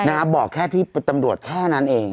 บอกแค่ที่เป็นตำรวจแค่นั้นเอง